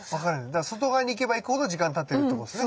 だから外側にいけばいくほど時間たってるってことですね。